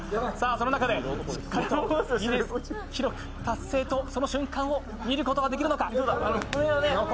その中でしっかりとギネス記録達成と、その瞬間を見ることができるのか。